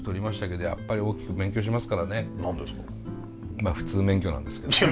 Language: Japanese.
まあ普通免許なんですけどね。